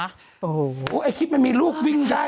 โอ้โหไอ้คลิปมันมีลูกวิ่งได้